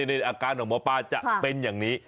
ในอาการของหมอปลาจะเป็นอย่างนี้